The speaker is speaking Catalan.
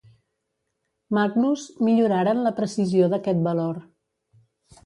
Magnus, milloraren la precisió d'aquest valor.